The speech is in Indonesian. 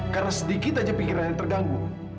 karena sedikit aja pikiran yang terganggu